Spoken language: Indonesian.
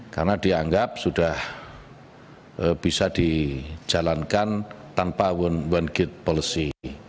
karena dianggap sudah bisa dijalankan tanpa one gate policy